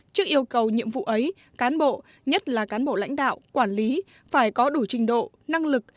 trước yêu cầu nhiệm vụ ấy cán bộ nhất là cán bộ lãnh đạo quản lý phải có đủ trình độ năng lực